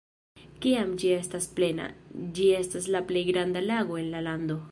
Kiam ĝi estas plena, ĝi estas la plej granda lago en la lando.